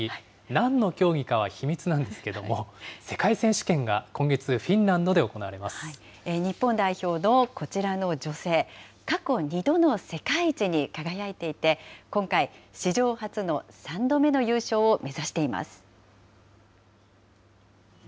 なんの競技かは秘密なんですけれども、世界選手権が今月フィンラ日本代表のこちらの女性、過去２度の世界一に輝いていて、今回、史上初の３度目の優勝を目指しています。